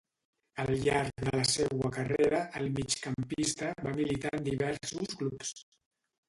Al llarg de la seua carrera, el migcampista va militar en diversos clubs.